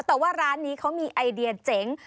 แต่ว่าร้านนี้เขามีไอเดียเจ๋ง